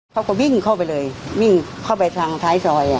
เขาก็วิ่งเข้าไปเลยวิ่งเข้าไปทางท้ายซอย